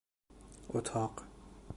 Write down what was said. اتاق